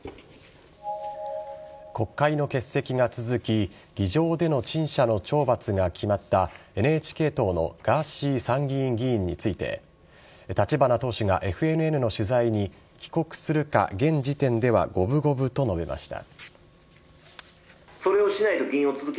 国会の欠席が続き議場での陳謝の懲罰が決まったＮＨＫ党のガーシー参議院議員について立花党首がＦＮＮの取材に帰国するか現時点では五分五分と述べました。